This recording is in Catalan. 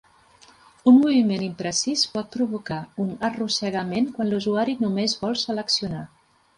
Un moviment imprecís pot provocar un arrossegament quan l'usuari només vol seleccionar.